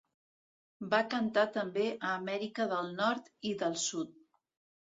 Va cantar també a Amèrica del Nord i del Sud.